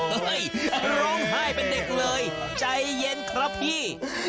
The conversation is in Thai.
อ้าวเฮ้ยร้องไห้เป็นเด็กเลยใจเย็นครับพี่